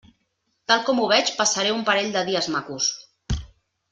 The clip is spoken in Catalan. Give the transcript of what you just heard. Tal com ho veig passaré un parell de dies macos.